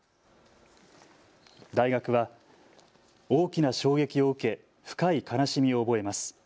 大学は大きな衝撃を受け深い悲しみを覚えます。